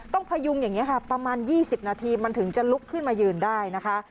พยุงอย่างนี้ค่ะประมาณ๒๐นาทีมันถึงจะลุกขึ้นมายืนได้นะคะ